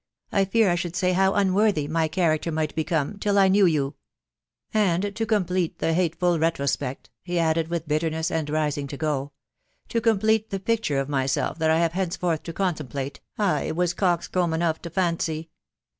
— I fear I should say how unworthy — my character might become, till I knew you ;•••• and to complete the hateful retrospect," he added, with bitterness, and rising to go, " to complete the picture of myself that I have henceforth to contemplate, I was coxcomb enough to fancy